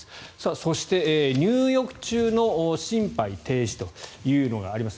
そして入浴中の心肺停止というのがあります。